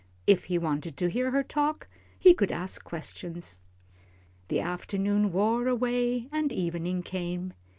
If he wanted to hear her talk, he could ask questions. The afternoon wore away and evening came.